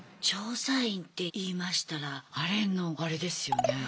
調査員っていいましたらあれのあれですよね？